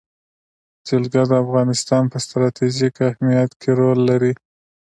جلګه د افغانستان په ستراتیژیک اهمیت کې رول لري.